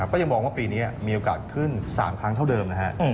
ก็ยังมองว่าปีนี้มีโอกาสขึ้น๓ครั้งเท่าเดิมนะฮะ